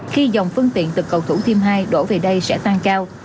khi dòng phương tiện từ cầu thủ thiêm hai đổ về đây sẽ tăng cao